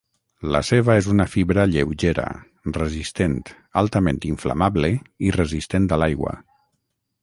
La seva és una fibra lleugera, resistent, altament inflamable i resistent a l'aigua.